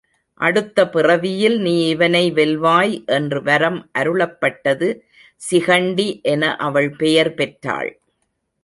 அடுத்த பிறவியில் நீ இவனை வெல்வாய் எனறு வரம் அருளப்பட்டது சிகண்டி என அவள் பெயர் பெற்றாள்.